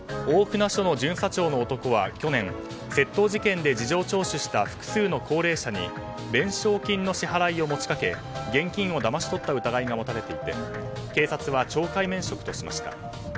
大船署の巡査長の男は去年窃盗事件で事情聴取した複数の高齢者に弁償金の支払いを持ちかけ現金をだまし取った疑いが持たれていて警察は懲戒免職としました。